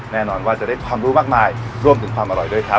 แน่นอนว่าจะได้ความรู้มากมายรวมถึงความอร่อยด้วยครับ